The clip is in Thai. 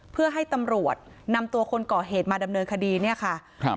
เพื่อให้ตำรวจนำตัวคนก่อเหตุมาดำเนินคดีเนี่ยค่ะครับ